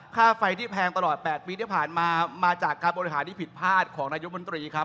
ค่าไฟที่แพงตลอด๘ปีที่ผ่านมามาจากการบริหารที่ผิดพลาดของนายกมนตรีครับ